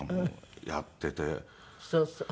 そうそう。